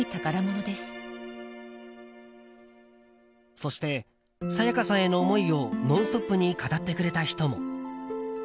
そして、沙也加さんへの思いを「ノンストップ！」に語ってくれた人も。